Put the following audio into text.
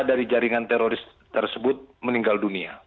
dari jaringan teroris tersebut meninggal dunia